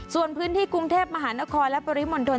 ส่วนพื้นที่กรุงเทพมหานครและปริมณฑล